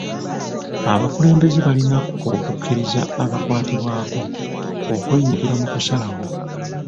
Abakulembeze balina okukkiriza abakwatibwako okwenyigira mu kusalawo.